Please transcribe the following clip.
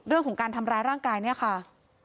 เรื่องของการทำร้ายร่างกายเนี่ยค่ะ